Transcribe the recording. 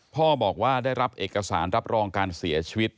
พ่อบอกว่าได้รับเอกสารรับรองการเสียชีวิต